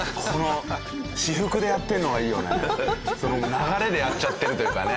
流れでやっちゃってるというかね。